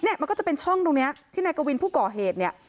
นี่มันก็จะเป็นช่องดูนี้ที่นายกวินผู้ก่อเหตุ